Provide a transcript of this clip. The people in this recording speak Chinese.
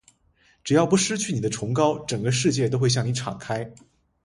只要不失去你的崇高，整个世界都会向你敞开。